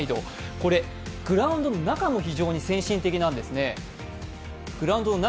これグラウンドの中も非常に先進的なんですね。